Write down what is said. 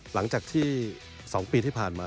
หลังจากที่๒ปีที่ผ่านมา